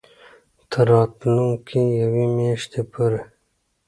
تر راتلونکې یوې میاشتې پورې